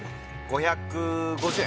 ５５０円？